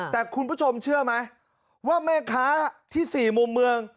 แต่คุณผู้ชมเชื่อไหมว่าแม่ค้าที่๔มุมเมือง